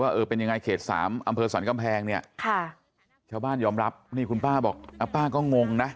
เออเป็นยังไงเขตสามอำเภอสรรกำแพงเนี่ยค่ะชาวบ้านยอมรับนี่คุณป้าบอกป้าก็งงนะ